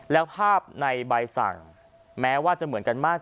แล้วภาพในใบสั่งแม้ว่าจะเหมือนกันมาก